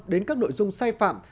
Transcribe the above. đến các nội dung sai phạm